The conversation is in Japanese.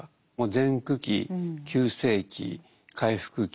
前駆期急性期回復期